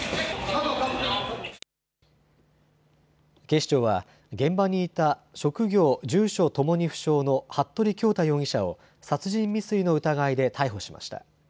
警視庁は現場にいた職業、住所ともに不詳の服部恭太容疑者を殺人未遂の疑いで逮捕しました。